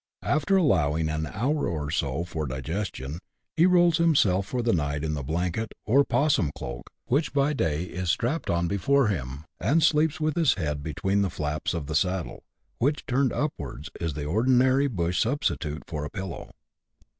After allowing an hour or so for digestion, he rolls himself for the niglit in the blanket or " 'pos sum cloak," which by day is strapped on before him, and sleeps with his head between the flaps of the saddle, which, turned upwards, is the ordinary bush substitute for a pillow.